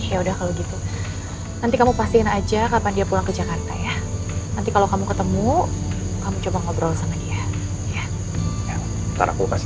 yaudah kalau gitu